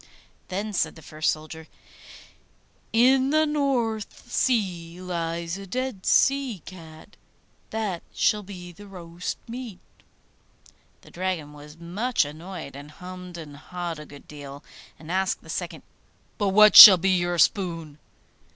Then said the first soldier, 'In the North Sea lies a dead sea cat; that shall be the roast meat.' The Dragon was much annoyed, and hummed and hawed a good deal, and asked the second, 'But what shall be your spoon?